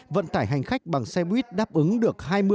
vận tải hành khách bằng xe buýt đáp ứng được hai mươi